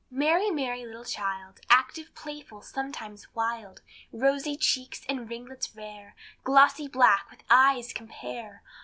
Merry, merry little child, Active, playful, sometimes wild; Rosy cheeks, and ringlets rare, Glossy black, with eyes compare.